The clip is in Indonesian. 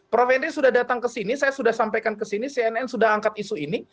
prof henry sudah datang ke sini saya sudah sampaikan ke sini cnn sudah angkat isu ini